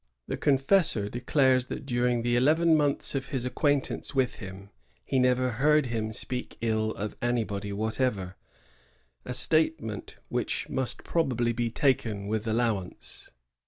The confessor declares that during the eleven months of his acquaintance with him he never heard him speak ill of anybody whatever, a statement which must probably be taken with allowance.